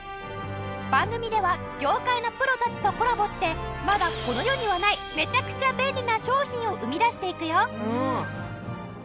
番組では業界のプロたちとコラボしてまだこの世にはないめちゃくちゃ便利な商品を生み出していくよ。